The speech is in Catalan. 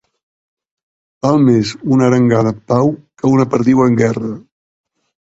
Val més una arengada en pau que una perdiu en guerra.